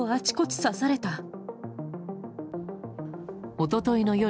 一昨日の夜